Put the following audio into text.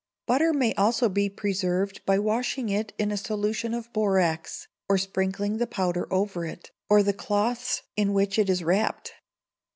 Butter may also be preserved by washing it in a solution of borax, or sprinkling the powder over it, or the cloths in which it is wrapped.